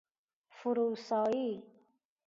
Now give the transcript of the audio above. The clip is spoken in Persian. فروسایی